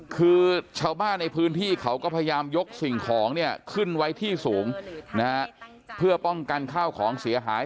คือชาวบ้านในพื้นที่เขาก็พยายามยกสิ่งของเนี่ยขึ้นไว้ที่สูงนะฮะเพื่อป้องกันข้าวของเสียหาย